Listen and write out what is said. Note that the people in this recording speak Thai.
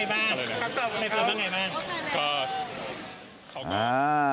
คำตอบใบเฟิร์นว่าอย่างไรบ้าง